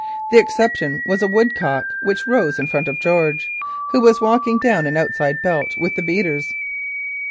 The exception was a woodcock which rose in front of George, who was walking down an outside belt with the beaters.